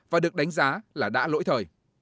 và được đánh giá là đã lỗi thời